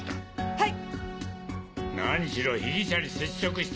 はい！